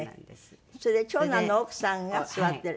それで長男の奥さんが座ってる。